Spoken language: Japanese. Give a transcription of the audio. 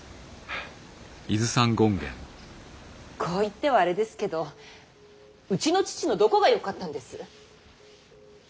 こう言ってはあれですけどうちの父のどこがよかったんです。